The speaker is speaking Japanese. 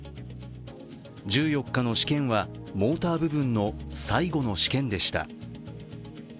１４日の試験はモーター部分の最後の試験でした。